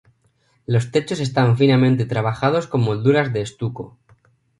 Los techos están finamente trabajados con molduras de estuco.